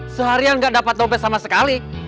seharian gak dapat dompet sama sekali